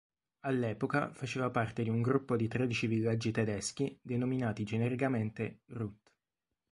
All'epoca, faceva parte di un gruppo di tredici villaggi tedeschi denominati genericamente "Rut".